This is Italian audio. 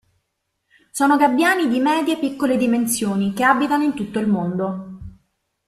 Sono gabbiani di medie-piccole dimensioni che abitano in tutto il mondo.